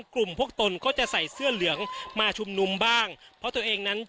กลุ่มพวกตนก็จะใส่เสื้อเหลืองมาชุมนุมบ้างเพราะตัวเองนั้น